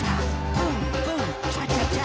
ブーンブーンチャチャチャ！」